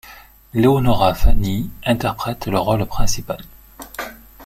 Leonora Fani interprète le rôle principal.